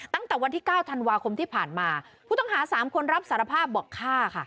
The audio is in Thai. ตั้งแต่วันที่เก้าธันวาคมที่ผ่านมาผู้ต้องหาสามคนรับสารภาพบอกฆ่าค่ะ